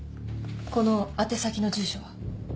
この宛先の住所は？